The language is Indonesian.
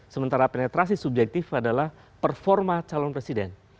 sementara penetrasi subjektif adalah performa calon presiden